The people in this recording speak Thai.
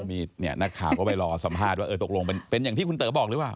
มีเนี่ยนักข่าวก็ไปรอสัมภาษณ์ว่าเออตกลงเป็นอย่างที่คุณเต๋อบอกหรือเปล่า